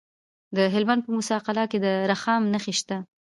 د هلمند په موسی قلعه کې د رخام نښې شته.